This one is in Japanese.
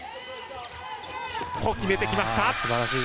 決めてきました！